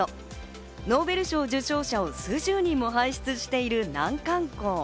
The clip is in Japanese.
ノーベル賞受賞者を数十人も輩出している難関校。